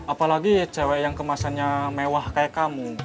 apalagi cewek yang kemasannya mewah kayak kamu